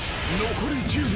残り１０秒。